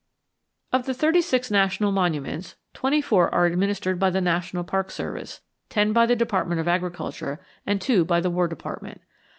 Of the thirty six national monuments, twenty four are administered by the National Parks Service, ten by the Department of Agriculture, and two by the War Department.